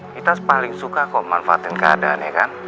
kita paling suka kok manfaatin keadaan ya kan